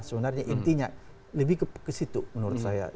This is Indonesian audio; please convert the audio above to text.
sebenarnya intinya lebih ke situ menurut saya